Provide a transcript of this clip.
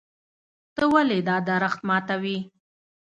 ته ولې دا درخت ماتوې.